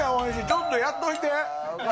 ちょっとやっといて。